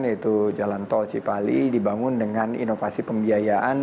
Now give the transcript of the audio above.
yaitu jalan tol cipali dibangun dengan inovasi pembiayaan